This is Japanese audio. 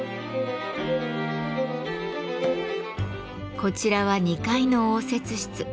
こちらは２階の応接室。